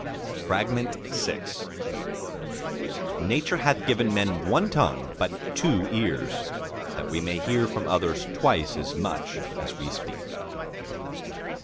VI Nature hath given men one tongue but two ears, that we may hear from others twice as much as we speak.